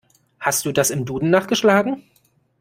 Hast du das im Duden nachgeschlagen?